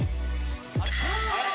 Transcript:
・あれ？